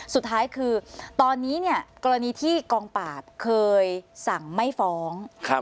สุดท้ายคือตอนนี้เนี่ยกรณีที่กองปราบเคยสั่งไม่ฟ้อง